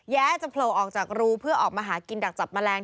จะโผล่ออกจากรูเพื่อออกมาหากินดักจับแมลง